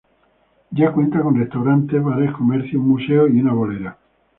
Ya cuenta con restaurantes, bares, comercio, un museo y una bolera.